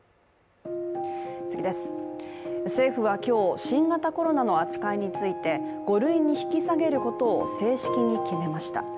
政府は今日、新型コロナの扱いについて５類に引き下げることを正式に決めました。